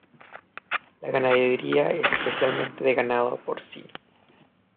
La ganadería es especialmente de ganado porcino.